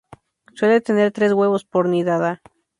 Suele tener tres huevos por nidada.